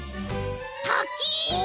たき！